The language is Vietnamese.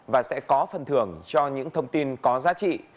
và sẽ có phần thưởng cho những thông tin có giá trị